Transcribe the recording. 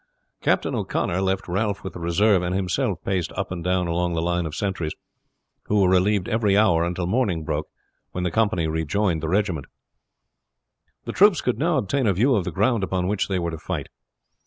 Captain O'Connor left Ralph with the reserve, and himself paced up and down along the line of sentries, who were relieved every hour until morning broke, when the company rejoined the regiment. The troops could now obtain a view of the ground upon which they were to fight.